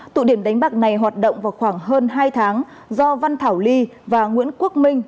tụ điểm đánh bạc này hoạt động vào khoảng hơn hai tháng do văn thảo ly và nguyễn quốc minh